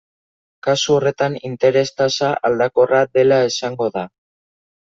Kasu horretan interes-tasa aldakorra dela esango da.